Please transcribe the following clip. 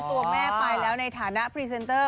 ตัวแม่ไปแล้วในฐานะพรีเซนเตอร์